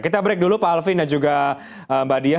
kita break dulu pak alvin dan juga mbak diah